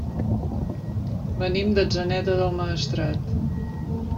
Venim d'Atzeneta del Maestrat.